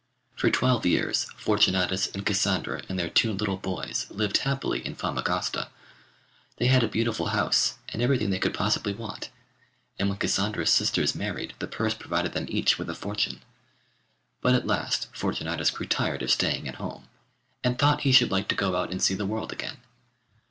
For twelve years Fortunatus and Cassandra and their two little boys lived happily in Famagosta. They had a beautiful house and everything they could possibly want, and when Cassandra's sisters married the purse provided them each with a fortune. But at last Fortunatus grew tired of staying at home, and thought he should like to go out and see the world again.